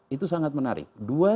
itu sangat menarik